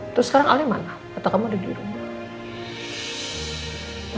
terus sekarang alnya mana atau kamu ada di rumah